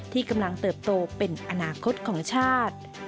ที่กำลังเติบโตเป็นอนาคตของชาติ